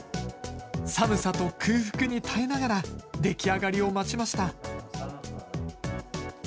寒さと空腹に耐えながら出来上がりを待ちました。